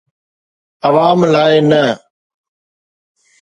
عوام لاءِ نه.